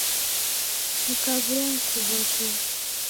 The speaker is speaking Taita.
Nikaw'uya nikughoria.